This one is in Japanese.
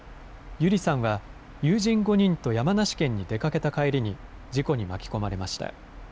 友梨さんは友人５人と山梨県に出かけた帰りに事故に巻き込まれました。